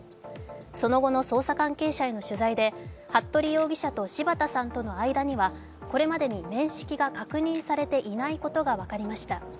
その後の捜査関係者への取材で服部容疑者と柴田さんとの間には、これまでに面識が確認されていないことが分かりました。